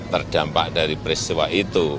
terdampak dari peristiwa itu